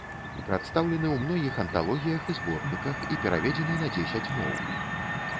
Прадстаўлены ў многіх анталогіях і зборніках і пераведзены на дзесяць моў.